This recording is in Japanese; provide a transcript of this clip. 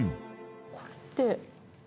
これって。